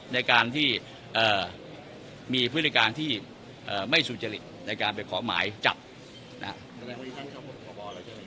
ในการที่มีพฤติการที่ไม่สุจริตในการไปขอหมายจับนะครับ